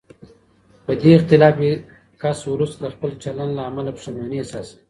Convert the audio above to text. په دې اختلال کې کس وروسته د خپل چلن له امله پښېماني احساسوي.